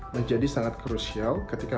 menjadi sangat krusial ketika